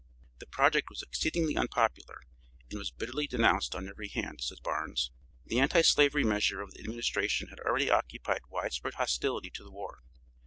The project was exceedingly unpopular, and was bitterly denounced on every hand, says Barnes. The anti slavery measure of the administration had already occupied widespread hostility to the war.